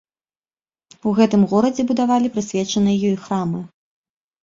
У гэтым горадзе будавалі прысвечаныя ёй храмы.